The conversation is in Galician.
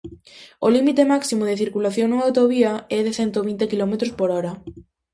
O límite máximo de circulación nunha autovía é de cento vinte quilómetros por hora.